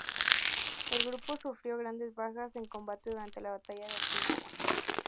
El grupo sufrió grandes bajas en combate durante la batalla de Okinawa.